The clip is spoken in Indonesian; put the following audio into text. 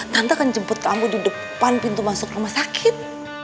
nanti akan jemput kamu di depan pintu masuk rumah sakit